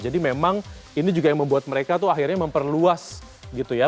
jadi memang ini juga yang membuat mereka tuh akhirnya memperluas gitu ya